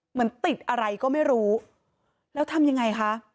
เหมือนติดอะไรก็ไม่รู้แล้วทำยังไงคะ